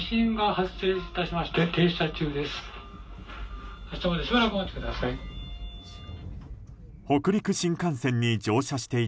発車までしばらくお待ちください。